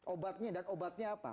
obatnya dan obatnya apa